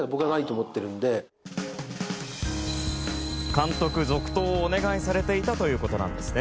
監督続投をお願いされていたということなんですね。